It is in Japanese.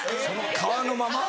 皮のまま？